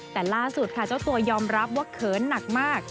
แต่ล่าสุดค่ะเจ้าตัวยอมรับว่าเขินหนักมาก